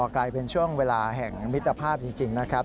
กลายเป็นช่วงเวลาแห่งมิตรภาพจริงนะครับ